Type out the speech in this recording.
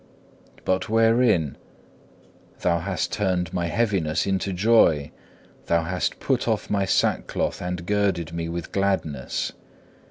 But wherein? Thou hast turned my heaviness into joy, Thou hast put off my sackcloth and girded me with gladness.